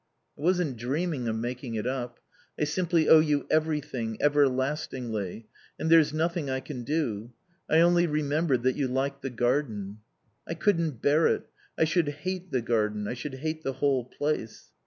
"I wasn't dreaming of making it up. I simply owe you everything, everlastingly, and there's nothing I can do. I only remembered that you liked the garden." "I couldn't bear it. I should hate the garden. I should hate the whole place."